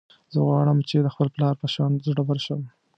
زه غواړم چې د خپل پلار په شان زړور شم